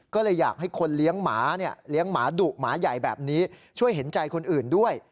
ก็เลยอยากให้คนเลี้ยงหมาเนี่ยเลี้ยงหมาดุหมาใหญ่แบบนี้ช่วยเห็นใจคนอื่นด้วย